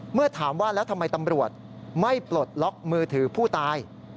เมื่อถามว่าแล้วทำไมตำรวจไม่ปลดล็อกมือถือผู้ตาย